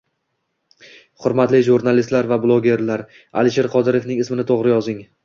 Hurmatli jurnalistlar va bloggerlar, Alisher Qodirovning ismini to'g'ri yozing